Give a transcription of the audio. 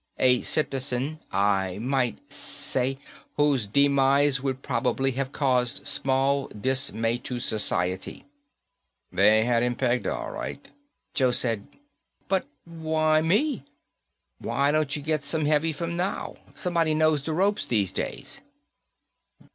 A citizen, I might say, whose demise would probably have caused small dismay to society." They had him pegged all right. Joe said, "But why me? Why don't you get some heavy from now? Somebody knows the ropes these days."